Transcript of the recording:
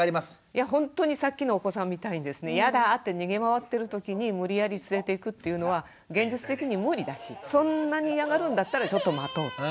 いやほんとにさっきのお子さんみたいにやだって逃げ回ってるときに無理やり連れていくっていうのは現実的に無理だしそんなに嫌がるんだったらちょっと待とうと。